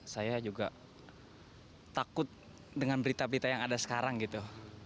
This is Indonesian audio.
saya juga takut dengan berita berita yang ada sekarang gitu